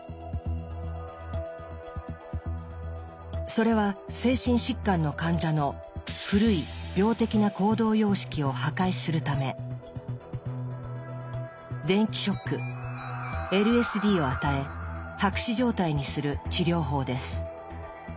それは精神疾患の患者の「古い病的な行動様式を破壊」するため電気ショックＬＳＤを与え白紙状態にする治療法です。